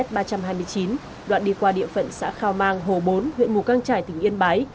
đoạn đi qua địa phận xã khao mang hồ bốn huyện mù căng trải tỉnh yên bái